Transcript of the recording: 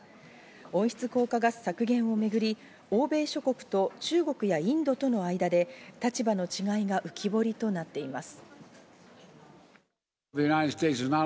温室効果ガス削減をめぐり欧米諸国と中国やインドとの間で立場の違いが浮き彫りとなっています。